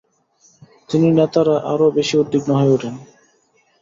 তিনি নেতারা আরো বেশি উদ্বিগ্ন হয়ে উঠেন।